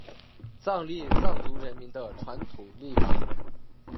藏历藏族人民的传统历法。